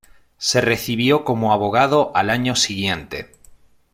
Se recibió como abogado al año siguiente.